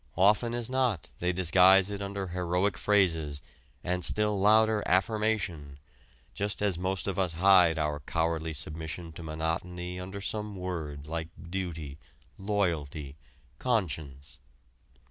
Often as not they disguise it under heroic phrases and still louder affirmation, just as most of us hide our cowardly submission to monotony under some word like duty, loyalty, conscience.